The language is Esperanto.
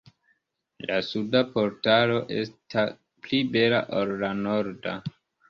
La suda portalo esta pli bela ol la norda.